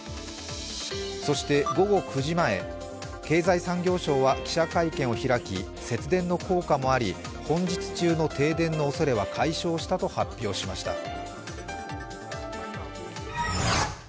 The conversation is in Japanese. そして午後９時前経済産業省は記者会見を開き節電の効果もあり、本日中の停電のおそれは解消したと発表しました。